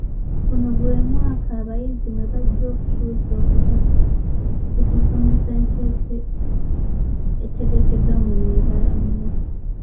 Guno gwe mwaka abayizi mwe bajja okukyusiza okuva ku nsomesa etegekeddwa mu miramwa.